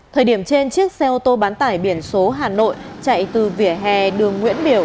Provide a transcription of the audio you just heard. thời điểm trên chiếc xe ô tô bán tải biển số hà nội chạy từ vỉa hè đường nguyễn biểu